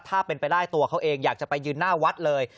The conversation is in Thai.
ถ้าเป็นไปได้ตัวเขาเองอยากจะไปยืนหน้าวัดเลย